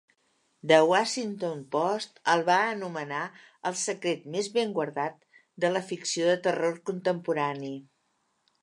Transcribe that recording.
"The Washington Post" el va anomenar "el secret més ben guardat" de la ficció de terror contemporani.